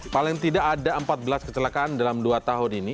paling tidak ada empat belas kecelakaan dalam dua tahun ini